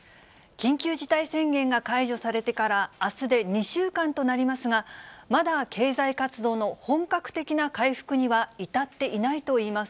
緊急事態宣言が解除されてから、あすで２週間となりますが、まだ経済活動の本格的な回復には至っていないといいます。